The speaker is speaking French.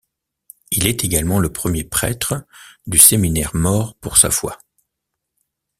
Il est également le premier prêtre du séminaire mort pour sa foi.